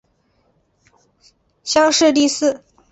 乡试第四。